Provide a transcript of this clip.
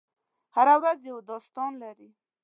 هره ورځ یو داستان لري.